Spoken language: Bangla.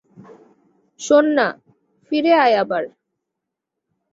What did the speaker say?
শোন না, ফিরে আয় আবার।